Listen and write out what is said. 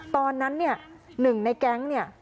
ตอนนั้นเนี่ยหนึ่งในแก๊งเนี่ย